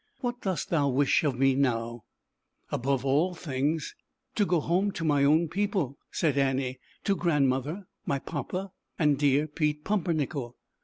What dost thou wish of me now?" ^ VN "*' n^^^. "Above all things, to go home to m own people," said Annie, "to grand mother, my papa, and dear Pete Pumpernickel."